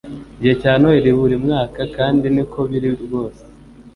Igihe cya Noheri buri mwaka kandi niko biri rwose